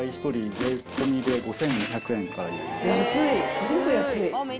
すごく安い！